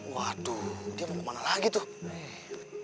waduh dia mau kemana lagi tuh